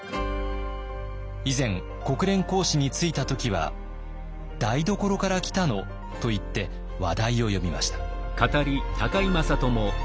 以前国連公使に就いた時は「台所から来たの」と言って話題を呼びました。